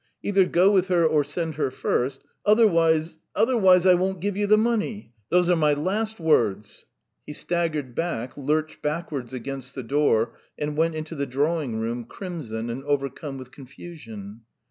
Either go with her or send her first; otherwise ... otherwise I won't give you the money. Those are my last words. .." He staggered back, lurched backwards against the door, and went into the drawing room, crimson, and overcome with confusion.